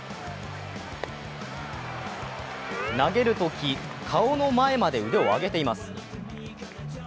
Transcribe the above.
投げるとき、顔の前まで腕を上げています。